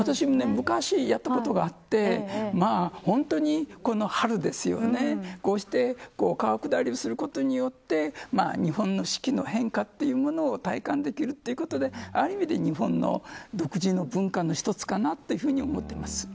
昔、やったことがあって春ですよね、こうして川下りをすることによって日本の四季の変化というものを体感できるということである意味で日本の独自の文化の一つかなと思っています。